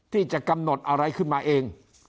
ที่จะกำหนดอะไรขึ้นมาเอง